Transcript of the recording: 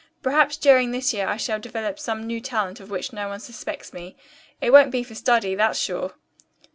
Perhaps during this year I shall develop some new talent of which no one suspects me. It won't be for study, that's sure."